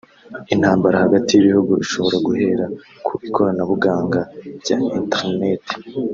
…intambara hagati y’ibihugu ishobora guhera ku ikoranabuganga rya internet